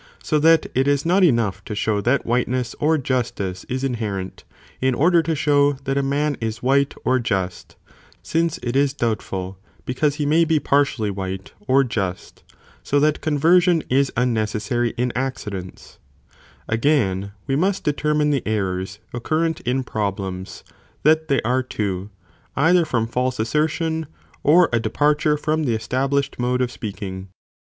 so that it is not enough to show that whiteness or justice is inherent, in order to show that a man is white or just, since it is doubtful, because he may be partially white or just, so that conversion is unnecessary in accidents, Again, we must determine the errors occurrent 4 py, errors in problems, that they are two, either from false occurrent in assertion, or a departure from the established mode °"°™*™* of speaking.